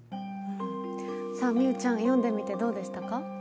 美羽ちゃん読んでみてどうでしたか？